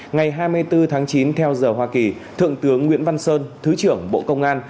ngày hai mươi bốn tháng chín theo giờ hoa kỳ thượng tướng nguyễn văn sơn thứ trưởng bộ công an